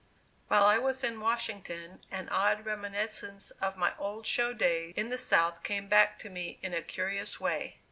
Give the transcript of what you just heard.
While I was in Washington an odd reminiscence of my old show days in the South came back to me in a curious way.